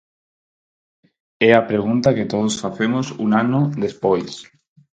É a pregunta que todos facemos un ano despois.